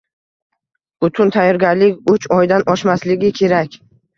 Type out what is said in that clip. Butun tayyorgarlik uch oydan oshmasligi kerak.